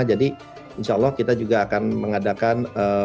insya allah kita juga akan mengadakan